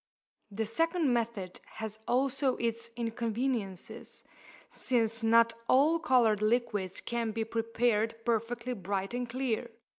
The second method has also its inconveniences, since not all coloured liquids can be prepared perfectly bright and clear.